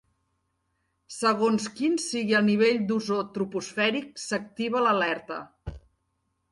Segons quin sigui el nivell d'ozó troposfèric, s'activa l'alerta.